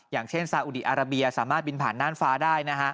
อย่างเช่นซาอุดีอาราเบียสามารถบินผ่านน่านฟ้าได้นะฮะ